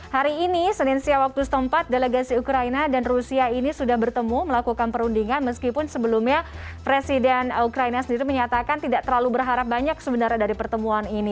hari ini senin siang waktu setempat delegasi ukraina dan rusia ini sudah bertemu melakukan perundingan meskipun sebelumnya presiden ukraina sendiri menyatakan tidak terlalu berharap banyak sebenarnya dari pertemuan ini